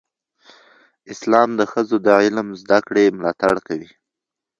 اسلام د ښځو د علم زده کړې ملاتړ کوي.